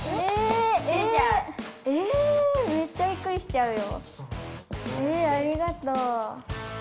メッチャびっくりしちゃうよ。